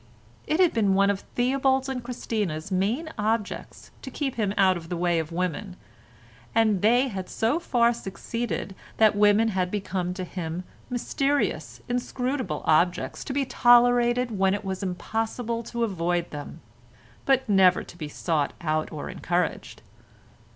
It had been one of Theobald's and Christina's main objects to keep him out of the way of women, and they had so far succeeded that women had become to him mysterious, inscrutable objects to be tolerated when it was impossible to avoid them, but never to be sought out or encouraged.